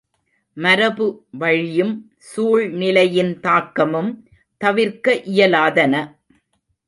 மரபு வழியும் சூழ்நிலையின் தாக்கமும் தவிர்க்க இயலாதன.